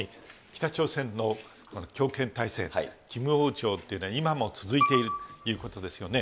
北朝鮮の強権体制、キム王朝というのは今も続いているということですよね。